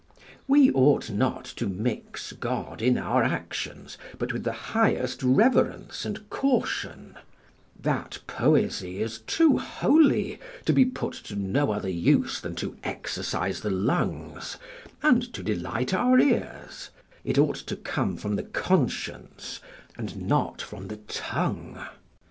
We ought not to mix God in our actions, but with the highest reverence and caution; that poesy is too holy to be put to no other use than to exercise the lungs and to delight our ears; it ought to come from the conscience, and not from the tongue.